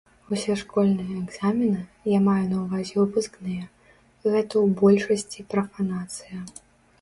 Усе школьныя экзамены, я маю на ўвазе выпускныя, гэта ў большасці прафанацыя.